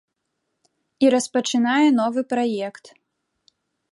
І распачынае новы праект.